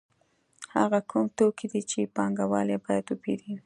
هغه کوم توکي دي چې پانګوال یې باید وپېري